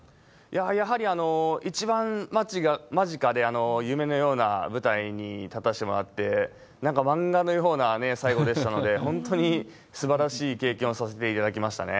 やはり一番間近で夢のような舞台に立たせてもらって、なんか漫画のような最後でしたので、本当にすばらしい経験をさせていただきましたね。